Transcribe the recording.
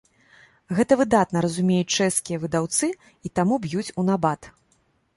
Гэта выдатна разумеюць чэшскія выдаўцы і таму б'юць у набат.